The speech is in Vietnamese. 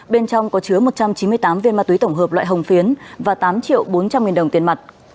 bên trong có chứa một trăm chín mươi tám viên ma túy tổng hợp loại hồng phiến và tám triệu bốn trăm linh nghìn đồng tiền mặt